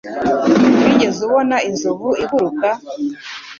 Wigeze ubona inzovu iguruka?